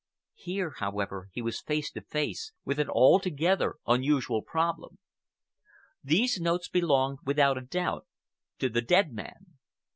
Here, however, he was face to face with an altogether unusual problem. These notes belonged, without a doubt, to the dead man.